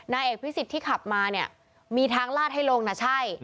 นายเอกพิสิทธิ์ที่ขับมาเนี่ยมีทางลาดให้ลงนะใช่